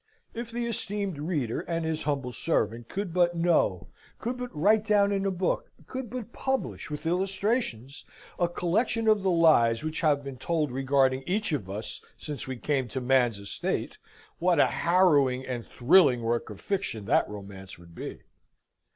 If the esteemed reader and his humble servant could but know could but write down in a book could but publish, with illustrations, a collection of the lies which have been told regarding each of us since we came to man's estate, what a harrowing and thrilling work of fiction that romance would be!